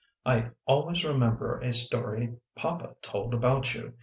I always remember a story Papa told about you.